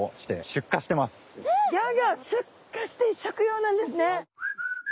出荷して食用なんですね。